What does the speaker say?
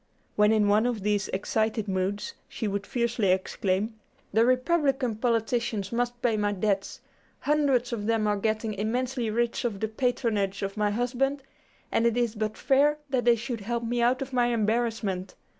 When in one of these excited moods, she would fiercely exclaim "The Republican politicians must pay my debts. Hundreds of them are getting immensely rich off the patronage of my husband, and it is but fair that they should help me out of my embarrassment.